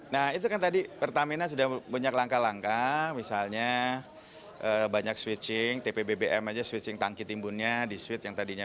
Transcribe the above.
nah itu kan tadi pertamina sudah banyak langkah langkah misalnya banyak switching tp bbm aja switching tangki timbunnya di switch yang tadinya